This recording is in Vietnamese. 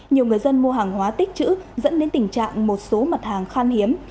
nhiều người dân mua hàng hóa tích chữ dẫn đến tình trạng một số mặt hàng khan hiếm